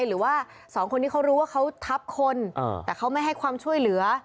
หรือว่าสองคนนี้เขารู้ว่าเขาทับคนแต่เขาไม่ให้ความช่วยเหลือ